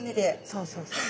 そうそうそう。